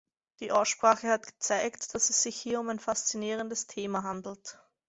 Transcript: Die Aussprache hat gezeigt, dass es sich hier um ein faszinierendes Thema handelt.